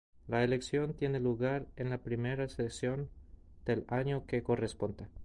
La elección tiene lugar en la primera sesión del año que corresponda.